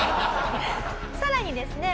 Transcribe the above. さらにですね